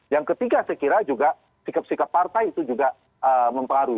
yang ketiga saya kira juga sikap sikap partai itu juga mempengaruhi